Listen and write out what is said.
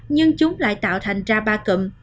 nhưng chúng lại tạo thành ra ba cụm